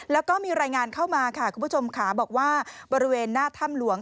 แล้วก็มีรายงานเข้ามาค่ะคุณผู้ชมค่ะบอกว่าบริเวณหน้าถ้ำหลวง